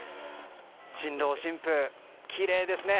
新郎新婦、きれいですね。